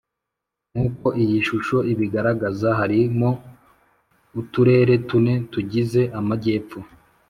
Nk uko iyi shusho ibigaragaza harimo uturere tune tugize amajyepfo